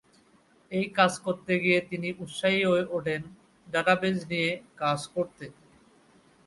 এই কাজ করতে গিয়ে তিনি উৎসাহী হয়ে ওঠেন ডাটাবেজ নিয়ে কাজ করতে।